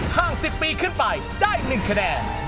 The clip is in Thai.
ห้าง๑๐ปีขึ้นไปได้๑คะแนน